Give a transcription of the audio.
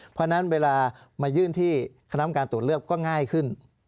เพราะฉะนั้นเวลามายื่นที่คณะกรรมการตรวจเลือกก็ง่ายขึ้น